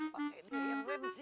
pakai deh yang rem sih